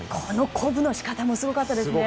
鼓舞の仕方もすごかったですね。